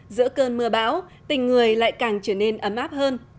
giữa cơn mưa bão tình người lại càng trở nên ấm áp hơn